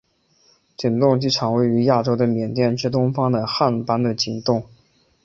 景栋机场位于亚洲的缅甸之东方的掸邦的景栋。